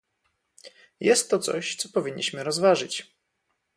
Jest to coś, co powinniśmy rozważyć